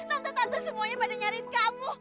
tante tante semuanya pada nyarin kamu